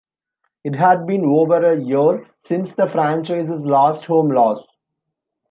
It had been over a year since the franchise's last home loss.